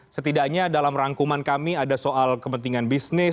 setidaknya dalam rangkuman kami ada soal kepentingan bisnis